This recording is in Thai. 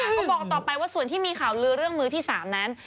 บอกต่อไปว่าส่วนที่มีข่าวลือเรื่องมือที่๓นั้น